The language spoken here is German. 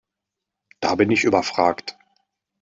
Da bin ich überfragt.